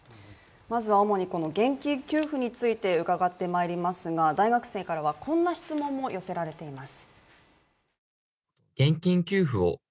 主に現金給付について伺ってまいりますが大学生からはこんな質問も寄せられています。